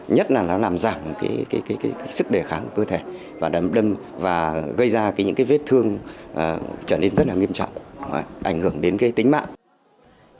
nhất là nó làm giảm cái sức đề kháng của cơ thể và gây ra những cái vết thương trở nên rất là nghiêm trọng ảnh hưởng đến cái tính mạng